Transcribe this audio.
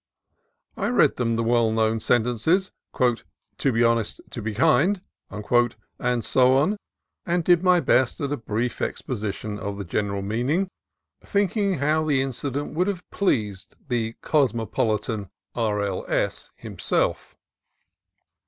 I read them the well known sentences, "To be honest, to be kind," and so on, and did my best at a brief expo sition of the general meaning, thinking how the inci 244 CALIFORNIA COAST TRAILS dent would have pleased the cosmopolitan R. L. S. himself.